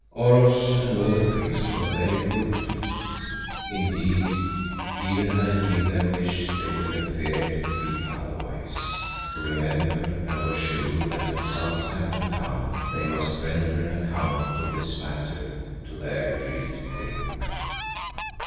Oros and all the priests were very good to me. Indeed, even had it been their wish, they would have feared to be otherwise, who remembered and were sure that in some time to come they must render an account of this matter to their dread queen.